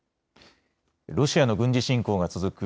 ロシアの軍事侵攻が続く